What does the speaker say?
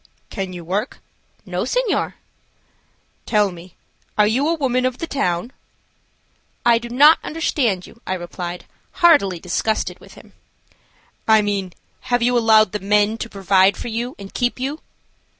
"Can you work?" "No, senor." "Tell me, are you a woman of the town?" "I do not understand you," I replied, heartily disgusted with him. "I mean have you allowed the men to provide for you and keep you?"